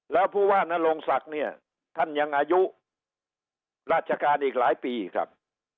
แล้วปุว่านโรงศักดิ์นี่อนอย่างอายุราชการอีกหลายปีครับ